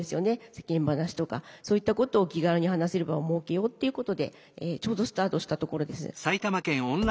世間話とかそういったことを気軽に話せる場を設けようっていうことでちょうどスタートしたところです。